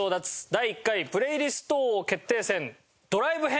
第１回プレイリスト王決定戦ドライブ編！